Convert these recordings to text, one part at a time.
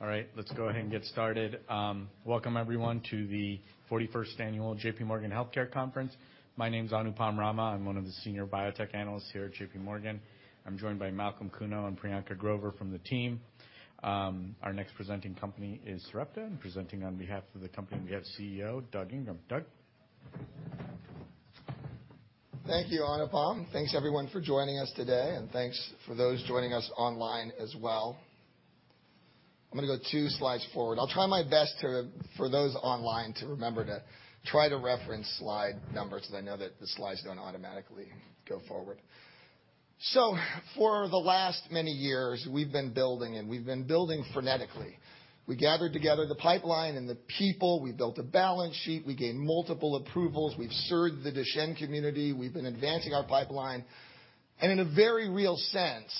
All right, let's go ahead and get started. Welcome everyone to the 41st annual J.P. Morgan Healthcare Conference. My name's Anupam Rama. I'm one of the senior biotech analysts here at JPMorgan. I'm joined by Malcolm Kuno and Priyanka Grover from the team. Our next presenting company is Sarepta, and presenting on behalf of the company, we have CEO Doug Ingram. Doug. Thank you, Anupam. Thanks, everyone for joining us today. Thanks for those joining us online as well. I'm gonna go two slides forward. I'll try my best to, for those online to remember to try to reference slide numbers 'cause I know that the slides don't automatically go forward. For the last many years, we've been building, and we've been building frenetically. We gathered together the pipeline and the people. We built a balance sheet. We gained multiple approvals. We've served the Duchenne community. We've been advancing our pipeline. In a very real sense,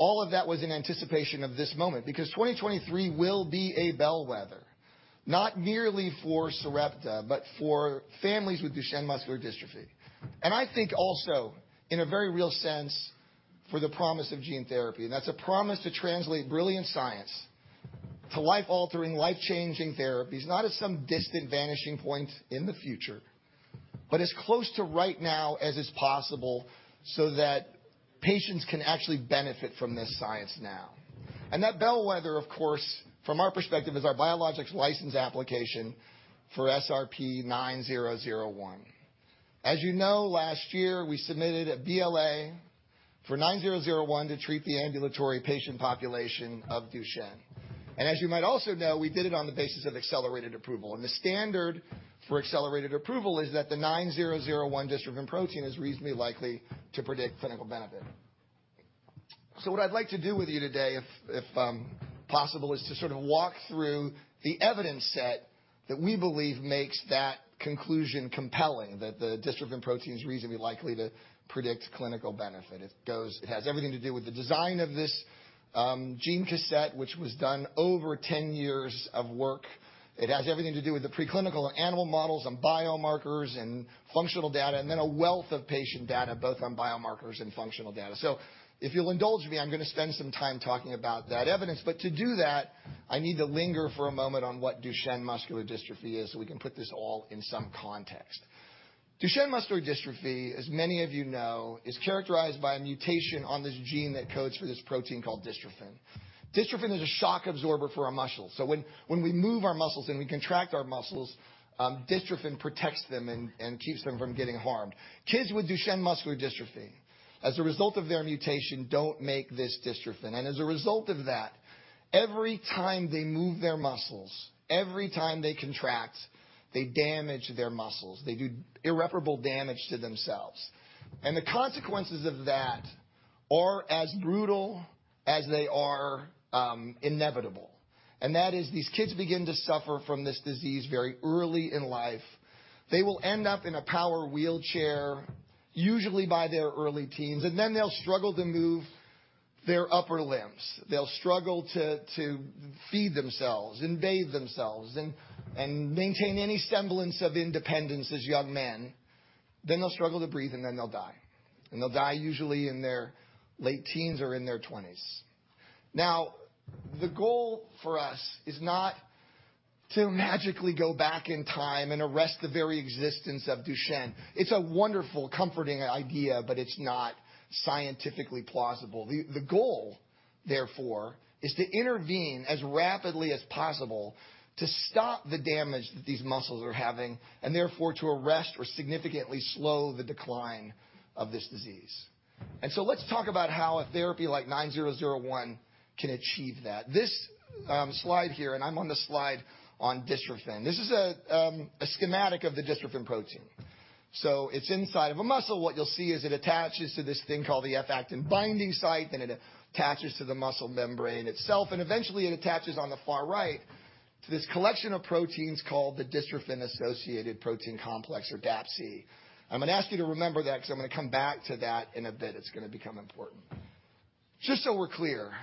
all of that was in anticipation of this moment, because 2023 will be a bellwether, not merely for Sarepta, but for families with Duchenne muscular dystrophy. I think also in a very real sense for the promise of gene therapy, that's a promise to translate brilliant science to life-altering, life-changing therapies, not at some distant vanishing point in the future, but as close to right now as is possible so that patients can actually benefit from this science now. That bellwether, of course, from our perspective, is our biologics license application for SRP-9001. As you know, last year, we submitted a BLA for 9001 to treat the ambulatory patient population of Duchenne. As you might also know, we did it on the basis of accelerated approval. The standard for accelerated approval is that the 9001 Dystrophin protein is reasonably likely to predict clinical benefit. What I'd like to do with you today if possible, is to sort of walk through the evidence set that we believe makes that conclusion compelling, that the Dystrophin protein is reasonably likely to predict clinical benefit. It has everything to do with the design of this gene cassette, which was done over 10 years of work. It has everything to do with the preclinical animal models and biomarkers and functional data, and then a wealth of patient data, both on biomarkers and functional data. If you'll indulge me, I'm gonna spend some time talking about that evidence. To do that, I need to linger for a moment on what Duchenne muscular dystrophy is, so we can put this all in some context. Duchenne muscular dystrophy, as many of you know, is characterized by a mutation on this gene that codes for this protein called Dystrophin. When we move our muscles and we contract our muscles, Dystrophin protects them and keeps them from getting harmed. Kids with Duchenne muscular dystrophy, as a result of their mutation, don't make this Dystrophin. As a result of that, every time they move their muscles, every time they contract, they damage their muscles. They do irreparable damage to themselves. The consequences of that are as brutal as they are inevitable. That is these kids begin to suffer from this disease very early in life. They will end up in a power wheelchair, usually by their early teens, and then they'll struggle to move their upper limbs. They'll struggle to feed themselves and bathe themselves and maintain any semblance of independence as young men. They'll struggle to breathe, and then they'll die. They'll die usually in their late teens or in their twenties. The goal for us is not to magically go back in time and arrest the very existence of Duchenne. It's a wonderful, comforting idea, but it's not scientifically plausible. The goal, therefore, is to intervene as rapidly as possible to stop the damage that these muscles are having and therefore to arrest or significantly slow the decline of this disease. Let's talk about how a therapy like SRP-9001 can achieve that. This slide here, and I'm on the slide on Dystrophin. This is a schematic of the Dystrophin protein. So it's inside of a muscle. What you'll see is it attaches to this thing called the F-actin-binding site, then it attaches to the muscle membrane itself, and eventually it attaches on the far right to this collection of proteins called the Dystrophin-associated protein complex or DAPC. I'm gonna ask you to remember that 'cause I'm gonna come back to that in a bit. It's gonna become important. Just so we're clear,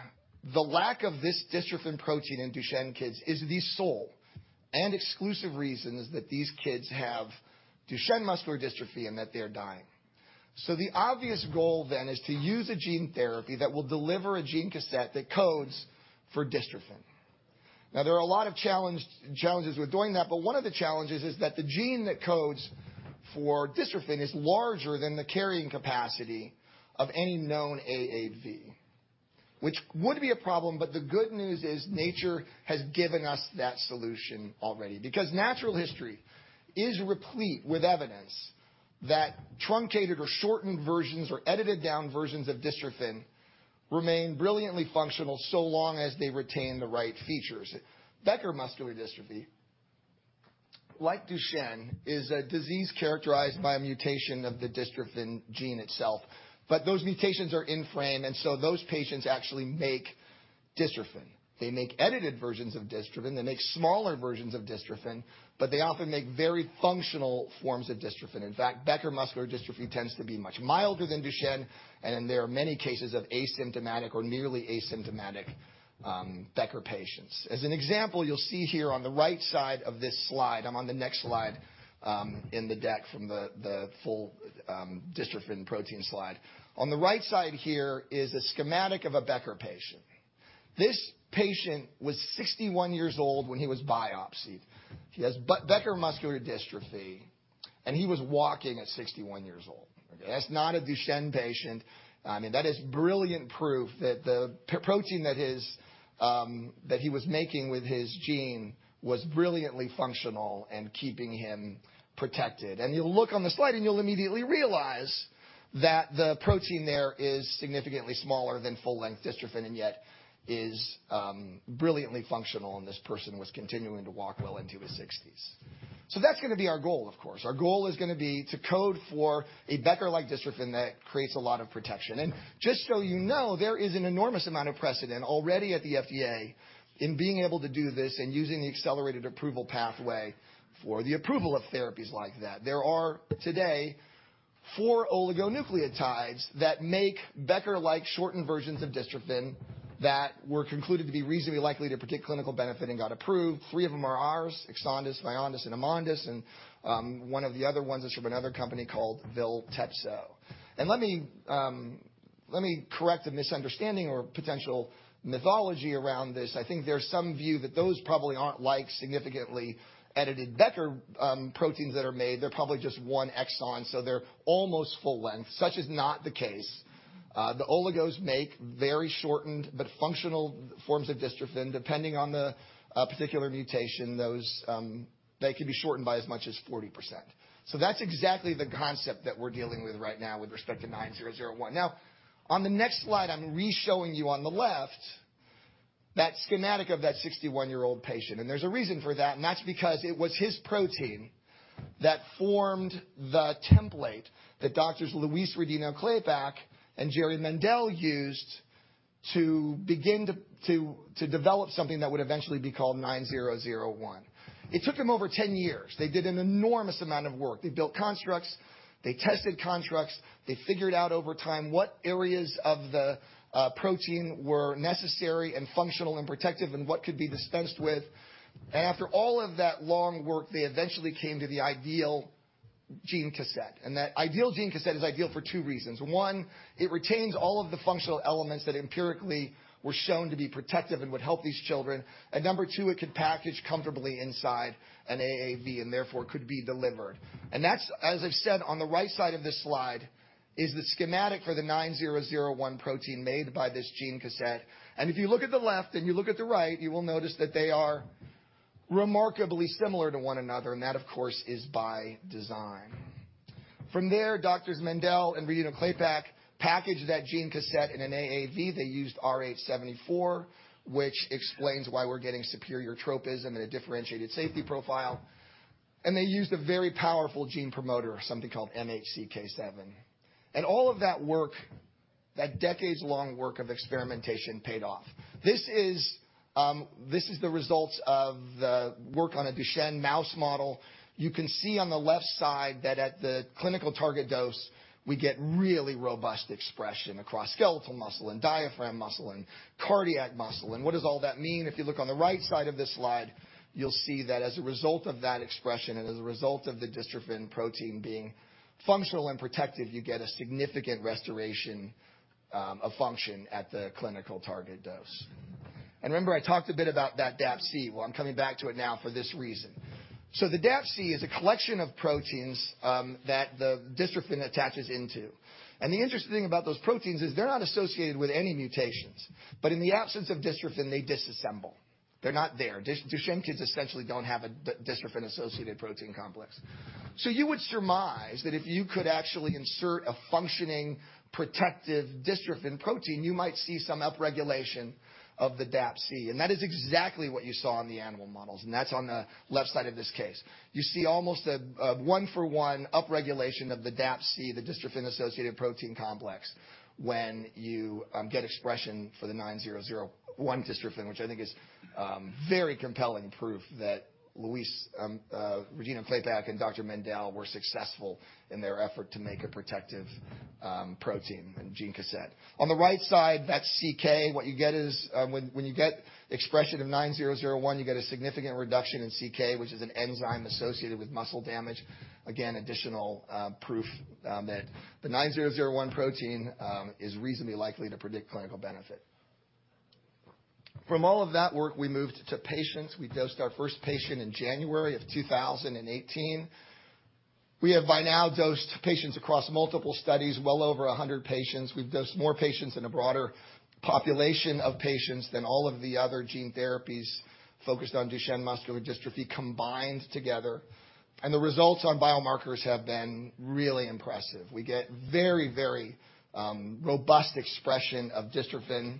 the lack of this Dystrophin protein in Duchenne kids is the sole and exclusive reason that these kids have Duchenne muscular dystrophy and that they're dying. The obvious goal then is to use a gene therapy that will deliver a gene cassette that codes for Dystrophin. There are a lot of challenges with doing that, one of the challenges is that the gene that codes for Dystrophin is larger than the carrying capacity of any known AAV, which would be a problem. The good news is nature has given us that solution already because natural history is replete with evidence that truncated or shortened versions or edited down versions of Dystrophin remain brilliantly functional so long as they retain the right features. Becker muscular dystrophy, like Duchenne, is a disease characterized by a mutation of the Dystrophin gene itself. Those mutations are in frame, those patients actually make Dystrophin. They make edited versions of Dystrophin. They make smaller versions of Dystrophin, but they often make very functional forms of Dystrophin. Becker muscular dystrophy tends to be much milder than Duchenne, and there are many cases of asymptomatic or nearly asymptomatic Becker patients. As an example, you'll see here on the right side of this slide, I'm on the next slide in the deck from the full Dystrophin protein slide. On the right side here is a schematic of a Becker patient. This patient was 61 years old when he was biopsied. He has B-Becker muscular dystrophy, and he was walking at 61 years old. Okay. That's not a Duchenne patient. I mean, that is brilliant proof that the p-protein that his, that he was making with his gene was brilliantly functional and keeping him protected. You'll look on the slide, and you'll immediately realize that the protein there is significantly smaller than full-length Dystrophin and yet is brilliantly functional, and this person was continuing to walk well into his 60s. That's gonna be our goal, of course. Our goal is gonna be to code for a Becker-like Dystrophin that creates a lot of protection. Just so you know, there is an enormous amount of precedent already at the FDA in being able to do this and using the accelerated approval pathway for the approval of therapies like that. There are today four oligonucleotides that make Becker-like shortened versions of Dystrophin that were concluded to be reasonably likely to predict clinical benefit and got approved. Three of them are ours, EXONDYS, VYONDYS, and AMONDYS, one of the other ones is from another company called VILTEPSO. Let me correct a misunderstanding or potential mythology around this. I think there's some view that those probably aren't like significantly edited Becker proteins that are made. They're probably just one exon, so they're almost full length. Such is not the case. The oligos make very shortened but functional forms of Dystrophin, depending on the particular mutation, those, they can be shortened by as much as 40%. That's exactly the concept that we're dealing with right now with respect to SRP-9001. Now, on the next slide, I'm re-showing you on the left that schematic of that 61-year-old patient. There's a reason for that, and that's because it was his protein that formed the template that Doctors Louise Rodino-Klapac and Jerry Mendell used to begin to develop something that would eventually be called 9001. It took them over 10 years. They did an enormous amount of work. They built constructs. They tested constructs. They figured out over time what areas of the protein were necessary and functional and protective and what could be dispensed with. After all of that long work, they eventually came to the ideal gene cassette, and that ideal gene cassette is ideal for two reasons. One, it retains all of the functional elements that empirically were shown to be protective and would help these children. Number two, it could package comfortably inside an AAV and therefore could be delivered. That's, as I've said, on the right side of this slide, is the schematic for the SRP-9001 protein made by this gene cassette. If you look at the left and you look at the right, you will notice that they are remarkably similar to one another, and that, of course, is by design. From there, Doctors Mendell and Rodino-Klapac packaged that gene cassette in an AAV. They used RH74, which explains why we're getting superior tropism and a differentiated safety profile. They used a very powerful gene promoter, something called MHCK7. All of that work, that decades-long work of experimentation paid off. This is the results of the work on a Duchenne mouse model. You can see on the left side that at the clinical target dose, we get really robust expression across skeletal muscle and diaphragm muscle and cardiac muscle. What does all that mean? If you look on the right side of this slide, you'll see that as a result of that expression and as a result of the Dystrophin protein being functional and protective, you get a significant restoration of function at the clinical target dose. Remember I talked a bit about that DAPC. Well, I'm coming back to it now for this reason. The DAPC is a collection of proteins that the Dystrophin attaches into. The interesting thing about those proteins is they're not associated with any mutations, but in the absence of Dystrophin, they disassemble. They're not there. Duchenne kids essentially don't have a Dystrophin-associated protein complex. You would surmise that if you could actually insert a functioning, protective Dystrophin protein, you might see some upregulation of the DAPC, and that is exactly what you saw in the animal models, and that's on the left side of this case. You see almost a one for one upregulation of the DAPC, the Dystrophin-associated protein complex when you get expression for the SRP-9001 Dystrophin, which I think is very compelling proof that Louise Rodino-Klapac and Dr. Mendell were successful in their effort to make a protective protein and gene cassette. On the right side, that's CK. What you get is, when you get expression of SRP-9001, you get a significant reduction in CK, which is an enzyme associated with muscle damage. Additional proof that the SRP-9001 protein is reasonably likely to predict clinical benefit. From all of that work, we moved to patients. We dosed our first patient in January of 2018. We have by now dosed patients across multiple studies, well over 100 patients. We've dosed more patients in a broader population of patients than all of the other gene therapies focused on Duchenne muscular dystrophy combined together. The results on biomarkers have been really impressive. We get very robust expression of Dystrophin.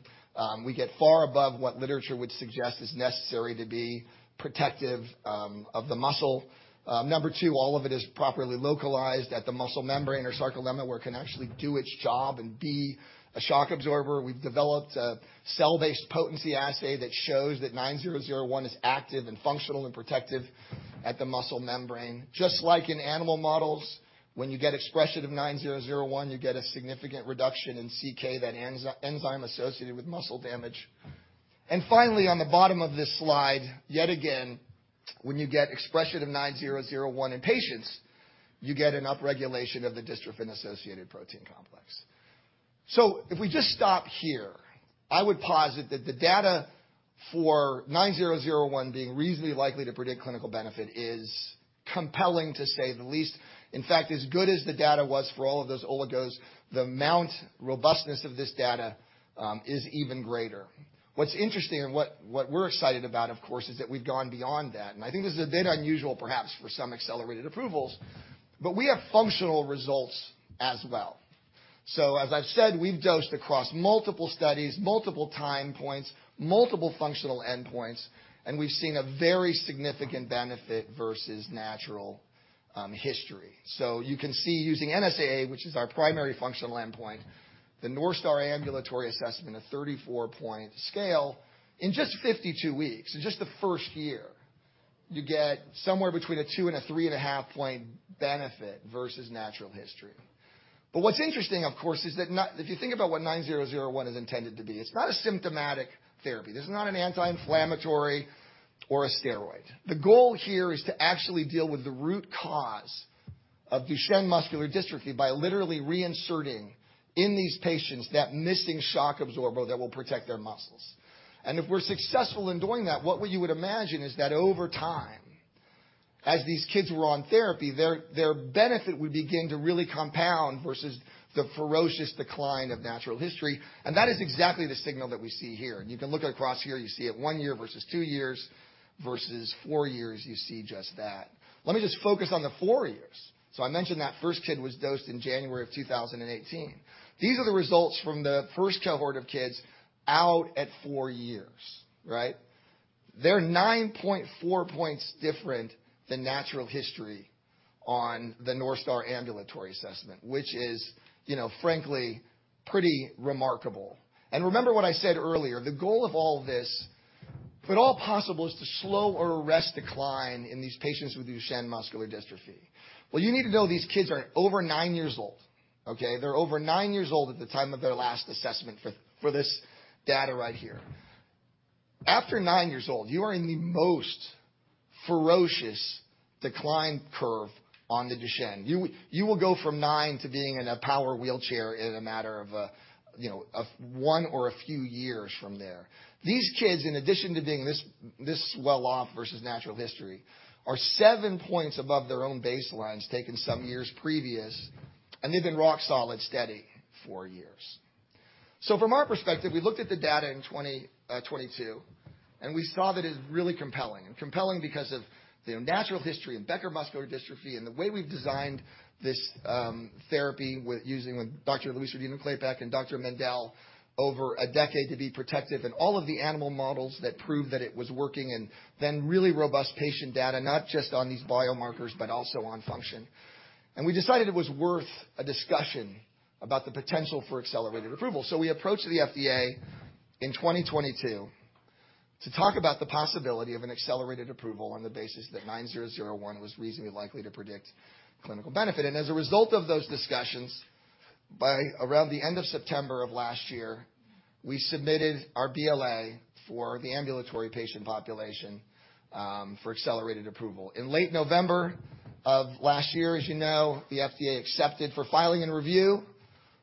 We get far above what literature would suggest is necessary to be protective of the muscle. Number two, all of it is properly localized at the muscle membrane or sarcolemma, where it can actually do its job and be a shock absorber. We've developed a cell-based potency assay that shows that SRP-9001 is active and functional and protective at the muscle membrane. Just like in animal models, when you get expression of SRP-9001, you get a significant reduction in CK, that enzyme associated with muscle damage. Finally, on the bottom of this slide, yet again. When you get expression of SRP-9001 in patients, you get an upregulation of the Dystrophin-associated protein complex. If we just stop here, I would posit that the data for SRP-9001 being reasonably likely to predict clinical benefit is compelling, to say the least. In fact, as good as the data was for all of those oligos, the amount robustness of this data is even greater. What's interesting and what we're excited about, of course, is that we've gone beyond that. I think this is a bit unusual, perhaps for some accelerated approvals, but we have functional results as well. As I've said, we've dosed across multiple studies, multiple time points, multiple functional endpoints, and we've seen a very significant benefit versus natural history. You can see using NSAA, which is our primary functional endpoint, the North Star Ambulatory Assessment, a 34-point scale. In just 52 weeks, in just the first year, you get somewhere between a two and a three and a half point benefit versus natural history. What's interesting, of course, is that not... If you think about what 9001 is intended to be, it's not a symptomatic therapy. This is not an anti-inflammatory or a steroid. The goal here is to actually deal with the root cause of Duchenne muscular dystrophy by literally reinserting in these patients that missing shock absorber that will protect their muscles. If we're successful in doing that, what we would imagine is that over time, as these kids were on therapy, their benefit would begin to really compound versus the ferocious decline of natural history. That is exactly the signal that we see here. You can look across here, you see it one year versus two years versus four years, you see just that. Let me just focus on the four years. I mentioned that first kid was dosed in January 2018. These are the results from the first cohort of kids out at four years, right? They're 9.4 points different than natural history on the North Star Ambulatory Assessment, which is, you know, frankly, pretty remarkable. Remember what I said earlier, the goal of all this, if at all possible, is to slow or arrest decline in these patients with Duchenne muscular dystrophy. Well, you need to know these kids are over 9 years old, okay? They're over nine years old at the time of their last assessment for this data right here. After 9 years old, you are in the most ferocious decline curve on the Duchenne. You will go from 9 to being in a power wheelchair in a matter of, you know, a 1 or a few years from there. These kids, in addition to being this well off versus natural history, are seven points above their own baselines taken some years previous, and they've been rock solid steady for years. From our perspective, we looked at the data in 2022, and we saw that it's really compelling. Compelling because of the natural history of Becker muscular dystrophy and the way we've designed this therapy with using Dr. Louis Kunkel and Dr. Mendell over a decade to be protective, and all of the animal models that proved that it was working, and then really robust patient data, not just on these biomarkers, but also on function. We decided it was worth a discussion about the potential for accelerated approval. We approached the FDA in 2022 to talk about the possibility of an accelerated approval on the basis that SRP-9001 was reasonably likely to predict clinical benefit. As a result of those discussions, by around the end of September of last year, we submitted our BLA for the ambulatory patient population for accelerated approval. In late November of last year, as you know, the FDA accepted for filing and review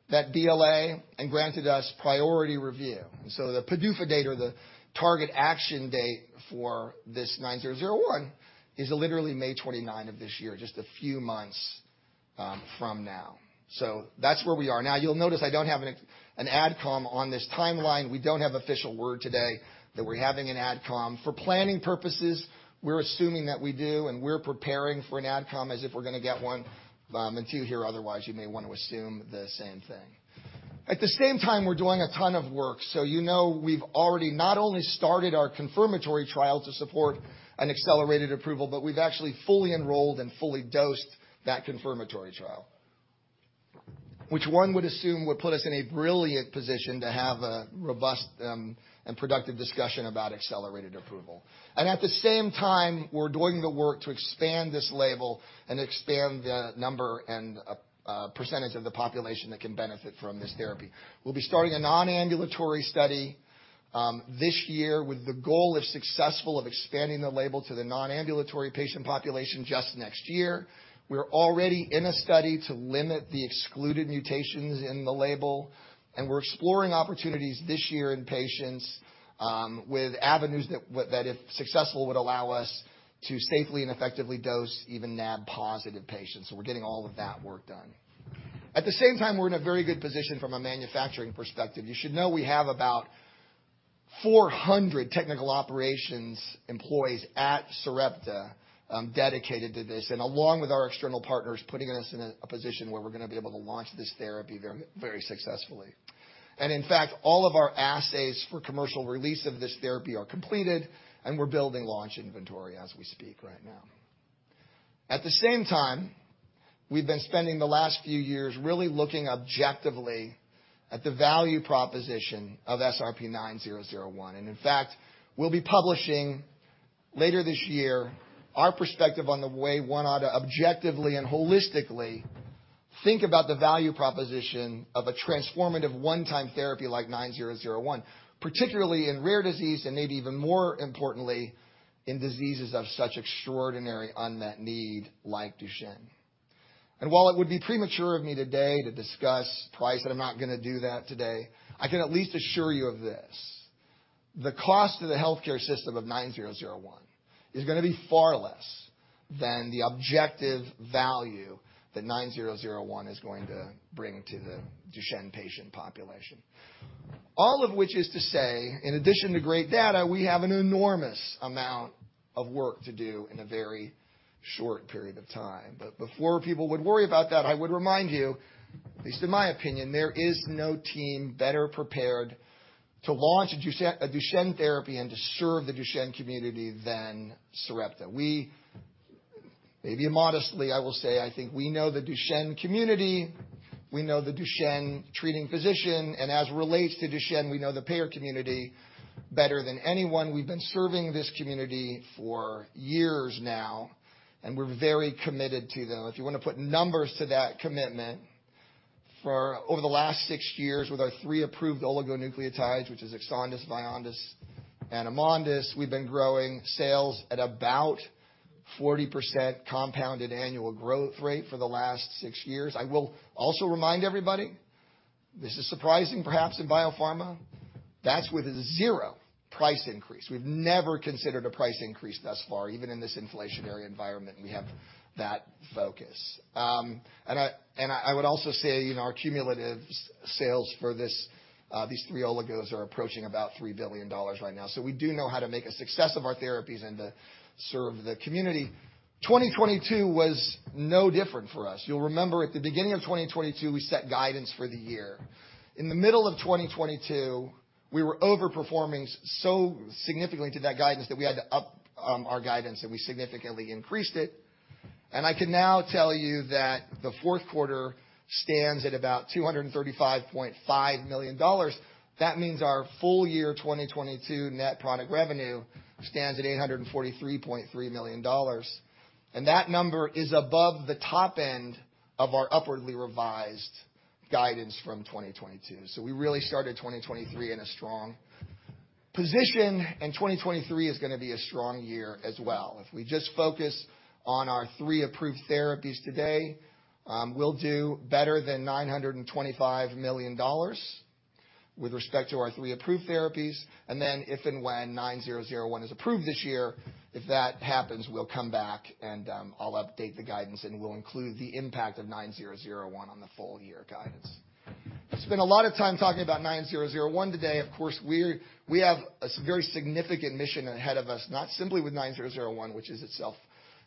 that BLA and granted us priority review. The PDUFA date or the target action date for this SRP-9001 is literally May 29 of this year, just a few months from now. That's where we are. Now, you'll notice I don't have an AdCom on this timeline. We don't have official word today that we're having an AdCom. For planning purposes, we're assuming that we do, and we're preparing for an AdCom as if we're gonna get one. If you're here otherwise, you may want to assume the same thing. At the same time, we're doing a ton of work. You know we've already not only started our confirmatory trial to support an accelerated approval, but we've actually fully enrolled and fully dosed that confirmatory trial. Which one would assume would put us in a brilliant position to have a robust, and productive discussion about accelerated approval. At the same time, we're doing the work to expand this label and expand the number and a percentage of the population that can benefit from this therapy. We'll be starting a non-ambulatory study, this year with the goal, if successful, of expanding the label to the non-ambulatory patient population just next year. We're already in a study to limit the excluded mutations in the label, we're exploring opportunities this year in patients with avenues that if successful, would allow us to safely and effectively dose even NAb-positive patients. We're getting all of that work done. At the same time, we're in a very good position from a manufacturing perspective. You should know we have about 400 technical operations employees at Sarepta dedicated to this. Along with our external partners, putting us in a position where we're gonna be able to launch this therapy very, very successfully. In fact, all of our assays for commercial release of this therapy are completed, and we're building launch inventory as we speak right now. At the same time, we've been spending the last few years really looking objectively at the value proposition of SRP-9001. In fact, we'll be publishing later this year our perspective on the way one ought to objectively and holistically think about the value proposition of a transformative one-time therapy like 9001, particularly in rare disease and maybe even more importantly, in diseases of such extraordinary unmet need, like Duchenne. While it would be premature of me today to discuss price, and I'm not gonna do that today, I can at least assure you of this. The cost to the healthcare system of 9001 is gonna be far less than the objective value that 9001 is going to bring to the Duchenne patient population. Which is to say, in addition to great data, we have an enormous amount of work to do in a very short period of time. Before people would worry about that, I would remind you, at least in my opinion, there is no team better prepared to launch a Duchenne therapy and to serve the Duchenne community than Sarepta. Maybe immodestly, I will say I think we know the Duchenne community, we know the Duchenne treating physician, and as it relates to Duchenne, we know the payer community better than anyone. We've been serving this community for years now, and we're very committed to them. If you wanna put numbers to that commitment, for over the last 6 years, with our three approved oligonucleotides, which is EXONDYS, VYONDYS, and AMONDYS, we've been growing sales at about 40% compounded annual growth rate for the last 6 years. I will also remind everybody, this is surprising, perhaps in biopharma, that's with 0 price increase. We've never considered a price increase thus far, even in this inflationary environment. We have that focus. I would also say, you know, our cumulative sales for this, these three oligos are approaching about $3 billion right now. We do know how to make a success of our therapies and to serve the community. 2022 was no different for us. You'll remember at the beginning of 2022, we set guidance for the year. In the middle of 2022, we were overperforming so significantly to that guidance that we had to up our guidance, we significantly increased it. I can now tell you that the fourth quarter stands at about $235.5 million. That means our full year 2022 net product revenue stands at $843.3 million. That number is above the top end of our upwardly revised guidance from 2022. We really started 2023 in a strong position, and 2023 is gonna be a strong year as well. If we just focus on our three approved therapies today, we'll do better than $925 million with respect to our three approved therapies. If and when SRP-9001 is approved this year, if that happens, we'll come back and I'll update the guidance, and we'll include the impact of SRP-9001 on the full year guidance. I spent a lot of time talking about SRP-9001 today. Of course, we have a very significant mission ahead of us, not simply with 9001, which is itself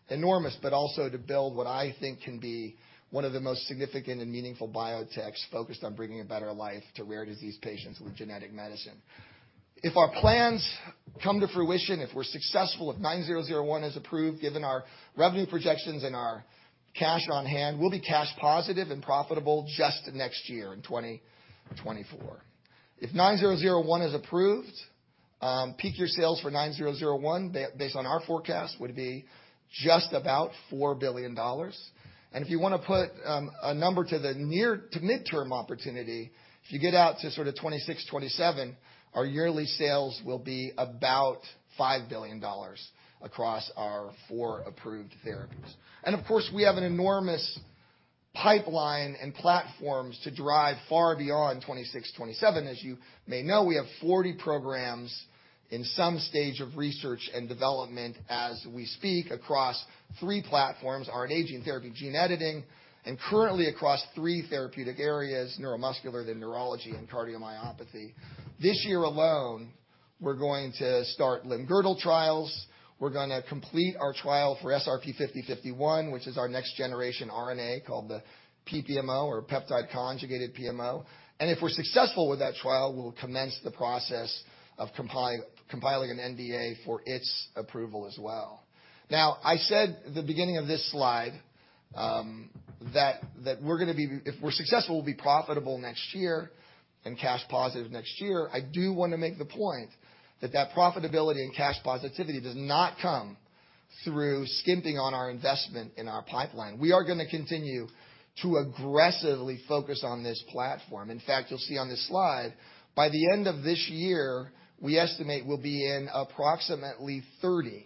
enormous, but also to build what I think can be one of the most significant and meaningful biotechs focused on bringing a better life to rare disease patients with genetic medicine. If our plans come to fruition, if we're successful, if 9001 is approved, given our revenue projections and our cash on hand, we'll be cash positive and profitable just next year in 2024. If 9001 is approved, peak year sales for 9001 based on our forecast would be just about $4 billion. If you want to put a number to the near to midterm opportunity, if you get out to sort of 2026, 2027, our yearly sales will be about $5 billion across our four approved therapies. Of course, we have an enormous pipeline and platforms to drive far beyond 2026, 2027. As you may know, we have 40 programs in some stage of research and development as we speak, across three platforms, RNA gene therapy, gene editing, and currently across three therapeutic areas, neuromuscular, then neurology, and cardiomyopathy. This year alone, we're going to start limb-girdle trials. We're gonna complete our trial for SRP-5051, which is our next generation RNA called the PPMO or peptide-conjugated PMO. If we're successful with that trial, we will commence the process of compiling an NDA for its approval as well. I said at the beginning of this slide that if we're successful, we'll be profitable next year and cash positive next year. I do wanna make the point that profitability and cash positivity does not come through skimping on our investment in our pipeline. We are gonna continue to aggressively focus on this platform. In fact, you'll see on this slide, by the end of this year, we estimate we'll be in approximately 30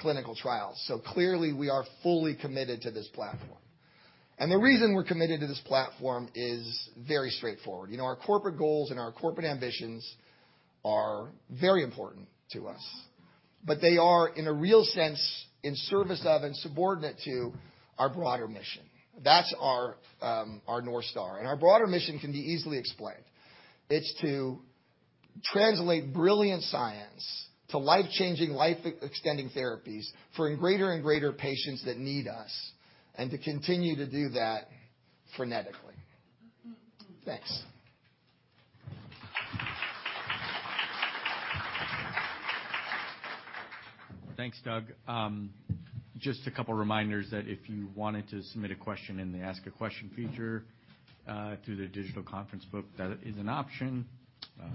clinical trials. Clearly, we are fully committed to this platform. The reason we're committed to this platform is very straightforward. You know, our corporate goals and our corporate ambitions are very important to us, but they are, in a real sense, in service of and subordinate to our broader mission. That's our North Star. Our broader mission can be easily explained. It's to translate brilliant science to life-changing, life-extending therapies for greater and greater patients that need us and to continue to do that fanatically. Thanks. Thanks, Doug. Just a couple reminders that if you wanted to submit a question in the Ask a Question feature, through the digital conference book, that is an option.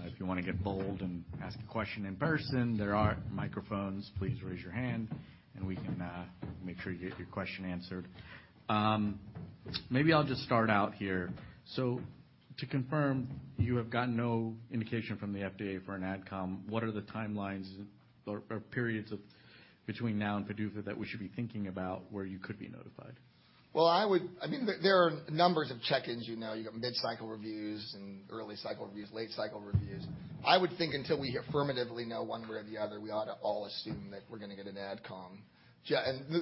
If you want to get bold and ask a question in person, there are microphones. Please raise your hand and we can make sure you get your question answered. Maybe I'll just start out here. To confirm, you have gotten no indication from the FDA for an AdCom. What are the timelines or periods of between now and PDUFA that we should be thinking about where you could be notified? Well, I mean, there are numbers of check-ins, you know. You got mid-cycle reviews and early cycle reviews, late cycle reviews. I would think until we affirmatively know one way or the other, we ought to all assume that we're gonna get an AdCom.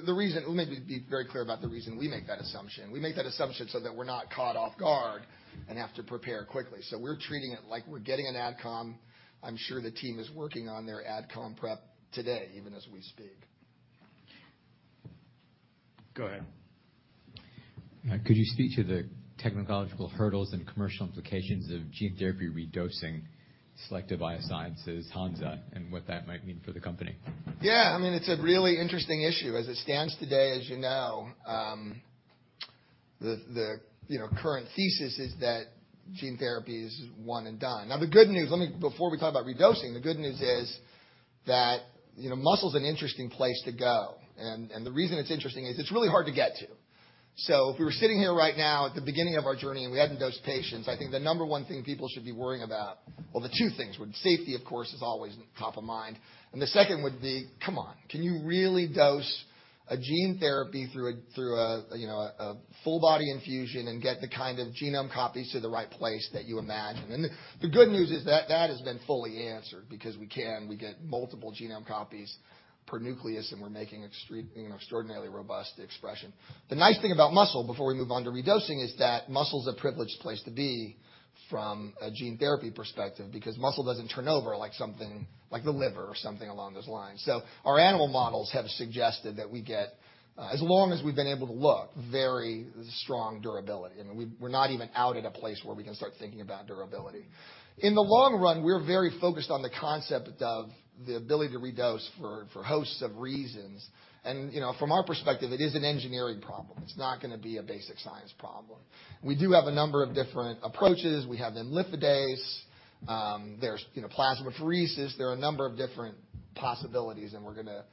The reason, let me be very clear about the reason we make that assumption. We make that assumption so that we're not caught off guard and have to prepare quickly. We're treating it like we're getting an AdCom. I'm sure the team is working on their AdCom prep today, even as we speak. Go ahead. Could you speak to the technological hurdles and commercial implications of gene therapy redosing Selecta Biosciences Hansa Biopharma and what that might mean for the company? Yeah. I mean, it's a really interesting issue. As it stands today, as you know, the, you know, current thesis is that gene therapy is 1 and done. The good news, before we talk about redosing, the good news is that, you know, muscle is an interesting place to go. The reason it's interesting is it's really hard to get to. If we were sitting here right now at the beginning of our journey and we hadn't dosed patients, I think the number 1 thing people should be worrying about... Well, the 2 things were safety, of course, is always top of mind, and the second would be, come on, can you really dose a gene therapy through a, you know, a full body infusion and get the kind of genome copies to the right place that you imagine? The good news is that that has been fully answered because we can. We get multiple genome copies per nucleus, and we're making, you know, extraordinarily robust expression. The nice thing about muscle, before we move on to redosing, is that muscle is a privileged place to be from a gene therapy perspective, because muscle doesn't turn over like something like the liver or something along those lines. Our animal models have suggested that we get, as long as we've been able to look, very strong durability. I mean, we're not even out at a place where we can start thinking about durability. In the long run, we're very focused on the concept of the ability to redose for hosts of reasons. You know, from our perspective, it is an engineering problem. It's not gonna be a basic science problem. We do have a number of different approaches. We have Imlifidase. There's, you know, plasmapheresis. There are a number of different possibilities, and we're gonna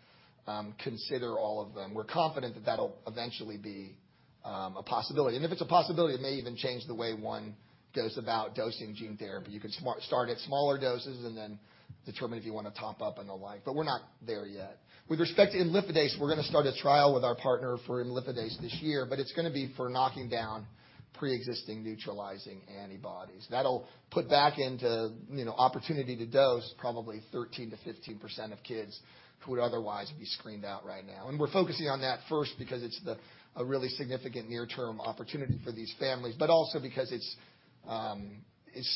consider all of them. We're confident that that'll eventually be a possibility. If it's a possibility, it may even change the way one goes about dosing gene therapy. You can start at smaller doses and then determine if you wanna top up and the like. We're not there yet. With respect to Imlifidase, we're gonna start a trial with our partner for Imlifidase this year, but it's gonna be for knocking down preexisting neutralizing antibodies. That'll put back into, you know, opportunity to dose probably 13%-15% of kids who would otherwise be screened out right now. We're focusing on that first because it's the. a really significant near term opportunity for these families, but also because it's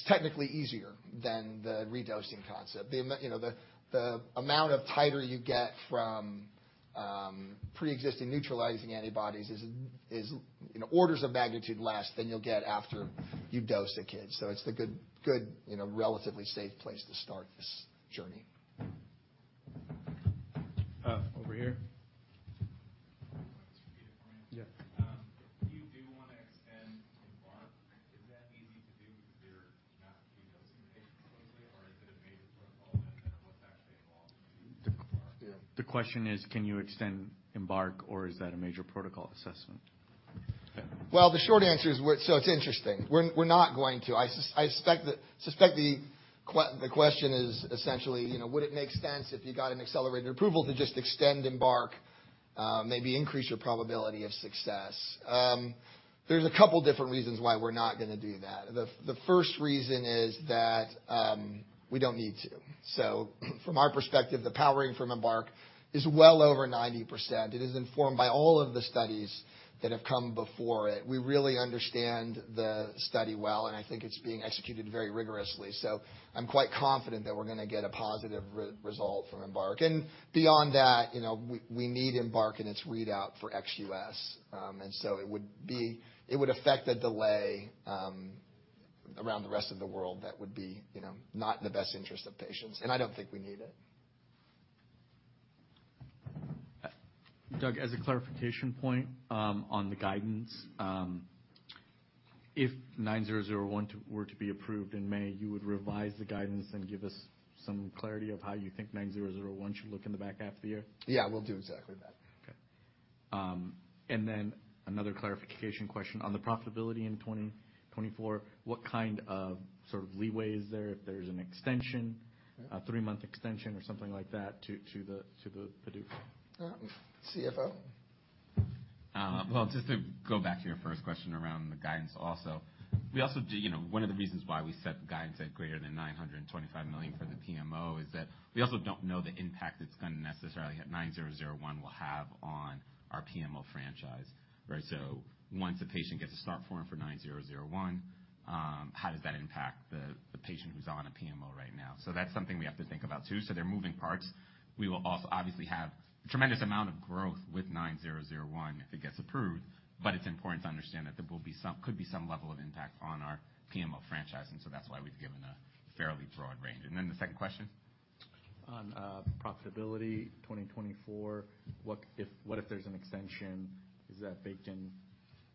technically easier than the redosing concept. You know, the amount of titer you get from preexisting neutralizing antibodies is in orders of magnitude less than you'll get after you dose a kid. It's a good, you know, relatively safe place to start this journey. Over here. You want this repeated for me? Yeah. If you do wanna extend EMBARK, is that easy to do if you're not redosing patients hopefully? Or is it a major protocol event? If so what's actually involved in doing that for EMBARK? The qu- Yeah. The question is, can you extend EMBARK or is that a major protocol assessment? Well, the short answer is, what. It's interesting. We're not going to. I suspect the question is essentially, you know, would it make sense if you got an accelerated approval to just extend EMBARK, maybe increase your probability of success? There's a couple different reasons why we're not gonna do that. The first reason is that we don't need to. From our perspective, the powering from EMBARK is well over 90%. It is informed by all of the studies that have come before it. We really understand the study well, and I think it's being executed very rigorously. I'm quite confident that we're gonna get a positive result from EMBARK. Beyond that, you know, we need EMBARK in its readout for ex-U.S. It would be... It would affect a delay, around the rest of the world that would be, you know, not in the best interest of patients, and I don't think we need it. Doug, as a clarification point, on the guidance, if 9001 were to be approved in May, you would revise the guidance and give us some clarity of how you think 9001 should look in the back half of the year? Yeah, we'll do exactly that. Okay. Then another clarification question on the profitability in 2024, what kind of sort of leeway is there if there's an extension- Yeah. a three-month extension or something like that to the PDUFA? CFO. Well, just to go back to your first question around the guidance also. We also do, you know, one of the reasons why we set the guidance at greater than $925 million for the PMO is that we also don't know the impact it's gonna necessarily have, SRP-9001 will have on our PMO franchise. Right? Once a patient gets a start form for SRP-9001, how does that impact the patient who's on a PMO right now? That's something we have to think about too. There are moving parts. We will also obviously have tremendous amount of growth with SRP-9001 if it gets approved, but it's important to understand that there could be some level of impact on our PMO franchise, and so that's why we've given a fairly broad range. The second question? On profitability 2024, what if there's an extension? Is that baked in?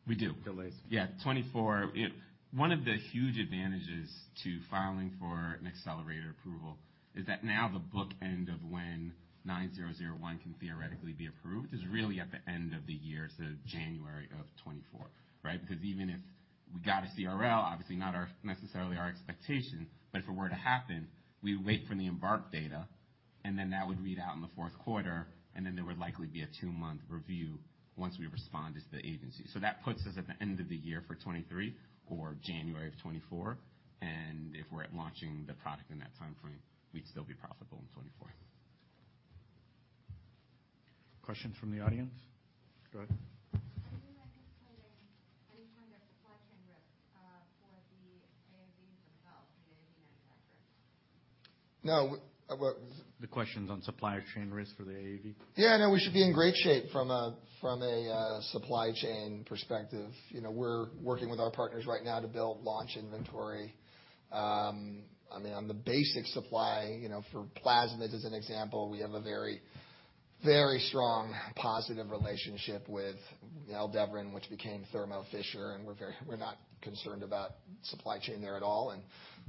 We do. Delays. Yeah. 2024, you know, one of the huge advantages to filing for an accelerated approval is that now the book end of when 9001 can theoretically be approved is really at the end of the year, so January of 2024, right? Because even if we got a CRL, obviously not our, necessarily our expectation, but if it were to happen, we wait for the EMBARK data, and then that would read out in the fourth quarter, and then there would likely be a two-month review once we respond as the agency. That puts us at the end of the year for 2023 or January of 2024, and if we're at launching the product in that timeframe, we'd still be profitable in 2024. Questions from the audience. Go ahead. Are you anticipating any kind of supply chain risks, for the AAVs themselves, the AAV manufacturers? No. What was it? The question's on supply chain risks for the AAV. Yeah, no, we should be in great shape from a, from a supply chain perspective. You know, we're working with our partners right now to build launch inventory. I mean, on the basic supply, you know, for plasmid, as an example, we have a very, very strong, positive relationship with Aldevron, which became Thermo Fisher, and we're not concerned about supply chain there at all.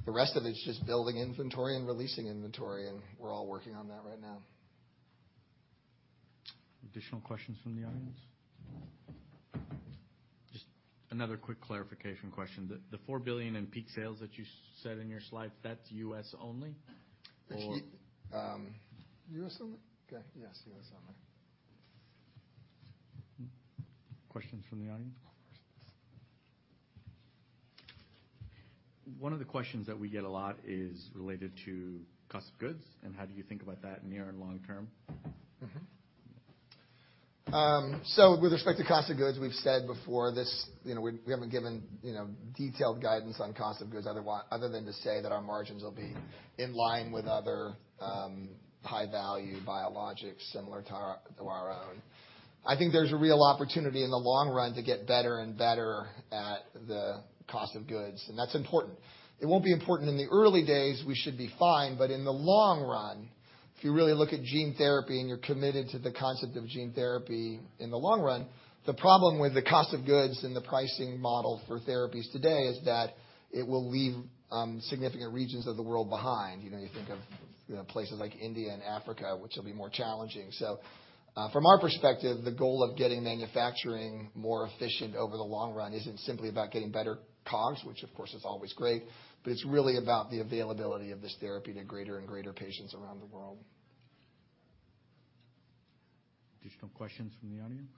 The rest of it's just building inventory and releasing inventory, and we're all working on that right now. Additional questions from the audience? Just another quick clarification question. The $4 billion in peak sales that you said in your slide, that's US only? Actually, U.S. only? Okay. Yes, U.S. only. Questions from the audience? One of the questions that we get a lot is related to cost of goods. How do you think about that near and long term? With respect to cost of goods, we've said before this, you know, we haven't given, you know, detailed guidance on cost of goods other than to say that our margins will be in line with other high-value biologics similar to our, to our own. I think there's a real opportunity in the long run to get better and better at the cost of goods, and that's important. It won't be important in the early days, we should be fine, but in the long run, if you really look at gene therapy, and you're committed to the concept of gene therapy in the long run, the problem with the cost of goods and the pricing model for therapies today is that it will leave significant regions of the world behind. You know, you think of, you know, places like India and Africa, which will be more challenging. From our perspective, the goal of getting manufacturing more efficient over the long run isn't simply about getting better COGS, which of course is always great, but it's really about the availability of this therapy to greater and greater patients around the world. Additional questions from the audience?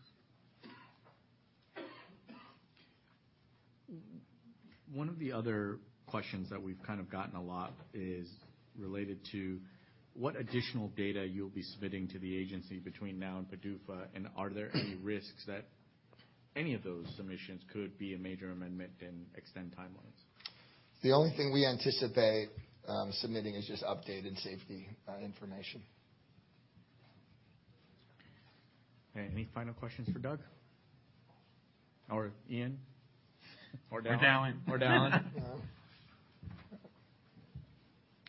One of the other questions that we've kind of gotten a lot is related to what additional data you'll be submitting to the agency between now and PDUFA, and are there any risks that any of those submissions could be a major amendment and extend timelines? The only thing we anticipate, submitting is just updated safety, information. Okay. Any final questions for Doug or Ian? Dallin. Dallin.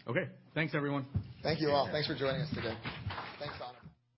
Okay. Thanks, everyone. Thank you all. Thanks for joining us today. Thanks, Anand.